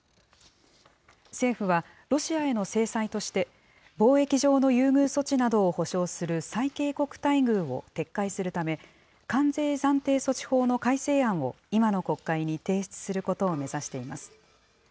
政府は、ロシアへの制裁として、貿易上の優遇措置などを保障する最恵国待遇を撤回するため、関税暫定措置法の改正案を今の国会に提出することを目指しています。